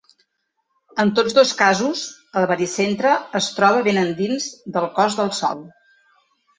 En tots dos casos el baricentre es troba ben endins del cos del Sol.